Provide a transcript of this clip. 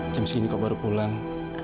jam segini kok baru pulang